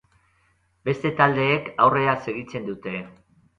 Beste taldeek aurrera segitzen dute.